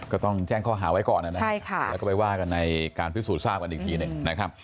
ก็ต้องแจ้งข้อหาไว้ก่อนนะครับแล้วก็ไปว่ากันในการพิสูจนทราบกันอีกทีหนึ่งนะครับ